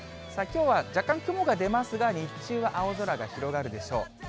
きょうは若干、雲が出ますが、日中は青空が広がるでしょう。